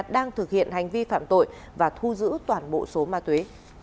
đang thực hiện hành vi phạm tội và thu giữ toàn bộ số ma túy